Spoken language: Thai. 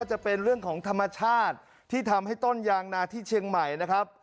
จะเป็นเรื่องของธรรมชาติที่ทำให้ต้นยางนาที่เชียงใหม่นะครับ